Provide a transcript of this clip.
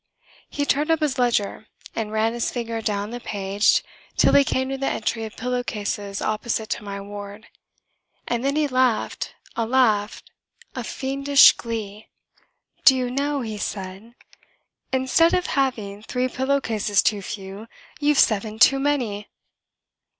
He turned up his ledger and ran his finger down the page till he came to the entry of pillow cases opposite to my ward. And then he laughed a laugh of fiendish glee. "Do you know," he said, "that instead of having three pillow cases too few, you've seven too many!"